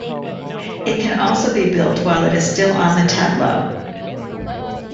It can also be built while it is still on the tableau.